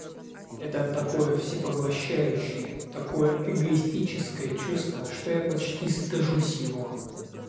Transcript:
Это такое всепоглощающее, такое эгоистическое чувство, что я почти стыжусь его